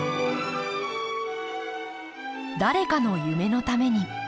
誰かの夢のために。